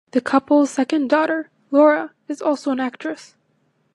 The couple's second daughter, Laura, is also an actress.